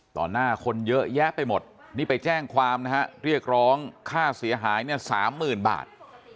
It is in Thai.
ต่อหน้าคนเยอะแยะไปหมดนี่ไปแจ้งความเรียกร้องค่าเสียหาย๓๐๐๐๐บาท